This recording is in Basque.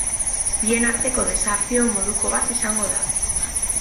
Bien arteko desafio moduko bat izango da.